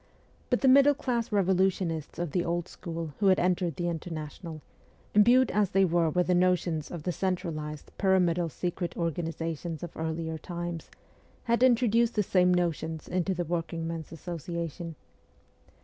But the middle class revolutionists of the old school who had entered the International, imbued as they were with the notions of the centralized, pyramidal secret oragnizations of earlier times, had introduced the same notions into the Workingmen's Association.